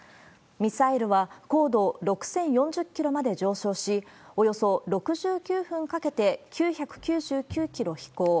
ミサイルは高度６０４０キロまで上昇し、およそ６９分かけて９９９キロ飛行。